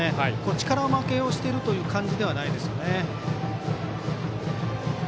力負けをしているという感じではないです。